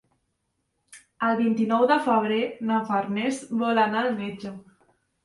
El vint-i-nou de febrer na Farners vol anar al metge.